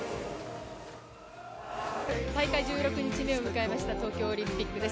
大会１６日目を迎えました東京オリンピックです。